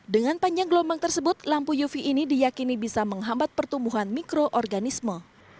dengan panjang gelombang tersebut lampu uv ini diyakini bisa menghambat pertumbuhan mikroorganisme